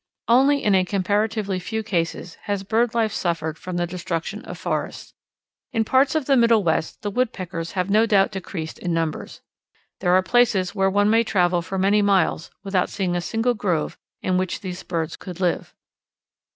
_ Only in a comparatively few cases has bird life suffered from the destruction of forests. In parts of the Middle West the Woodpeckers have no doubt decreased in numbers. There are places where one may travel for many miles without seeing a single grove in which these birds could live.